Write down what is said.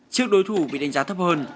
trước đối thủ bị đánh giá thấp hơn